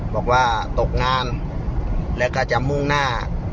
บอกว่าตกงานแล้วก็จะมุ่งหน้า